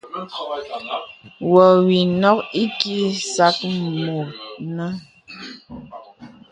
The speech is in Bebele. Wɔ wì nɔk ìkìì sàk mɔ nɛn.